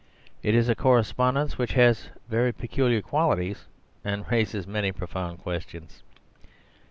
It is a correspondence which has very peculiar qualities and raises many profound questions.